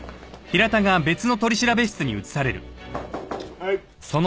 はい。